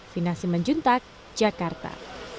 finasi menjuntak jakarta